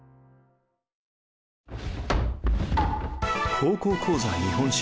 「高校講座日本史」。